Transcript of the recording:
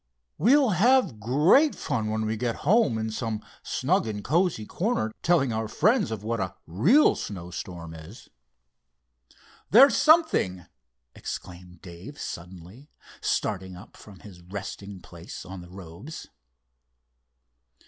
"We'll have great fun when we get home in some snug and cozy corner, telling our friends of what a real snowstorm is." "There's something!" exclaimed Dave, suddenly, starting up from his resting place on the robes.